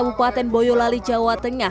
bupaten boyolali jawa